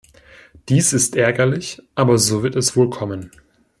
Dies ist ärgerlich, aber so wird es wohl kommen.